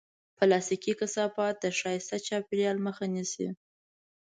پلاستيکي کثافات د ښایسته چاپېریال مخه نیسي.